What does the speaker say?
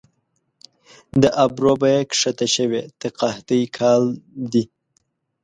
د ابرو بیه کښته شوې د قحطۍ کال دي